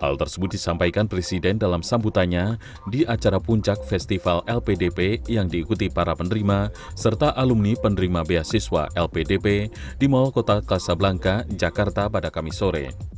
hal tersebut disampaikan presiden dalam sambutannya di acara puncak festival lpdp yang diikuti para penerima serta alumni penerima beasiswa lpdp di mall kota kasablangka jakarta pada kamis sore